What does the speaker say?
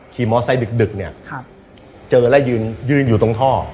ขี่มอเซ็ตดึกเนี่ยเจอแล้วยืนยืนอยู่ตรงท่อ